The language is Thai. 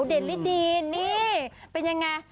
เด่นลิดีนนี่เป็นยังไง